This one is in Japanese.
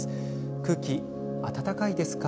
空気、温かいですか？